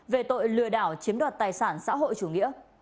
về tội lừa đảo chiếm đoạt tài sản xã hội chủ nghĩa